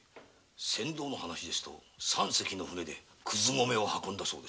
船頭の話ですと三隻の船でクズ米を運んだそうです。